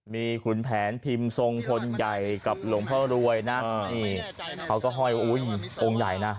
มีขุนแผนพิมพ์ทรงพลใหญ่กับหลวงพ่อรวยนะนี่เขาก็ห้อยว่าอุ้ยองค์ใหญ่นะ